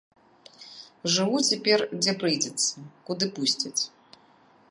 Жыву цяпер, дзе прыйдзецца, куды пусцяць.